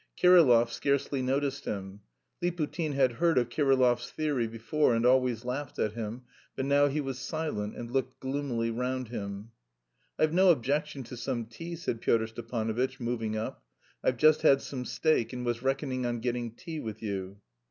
Kirillov scarcely noticed him. Liputin had heard of Kirillov's theory before and always laughed at him; but now he was silent and looked gloomily round him. "I've no objection to some tea," said Pyotr Stepanovitch, moving up. "I've just had some steak and was reckoning on getting tea with you."